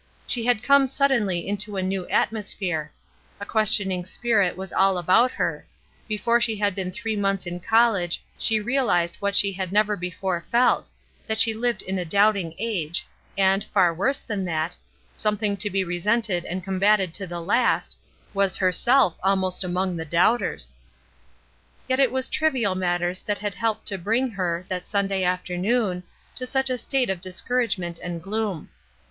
She had come suddenly into a new atmosphere. A questioning spirit was all about her; before she had been three months in college she realized what she had never before felt— that she lived in a doubting age ; and, far worse than that — 112 ESTER RIED'S NAMESAKE something to be resented and combated to the last — was herself almost among the doubters. Yet it was trivial matters that had helped to bring her, that Sunday afternoon, to such a state of discouragement and gloom.